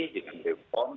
dengan bp pong